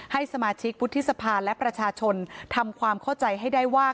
ให้สมาชิกวุฒิสภาและประชาชนทำความเข้าใจให้ได้ว่า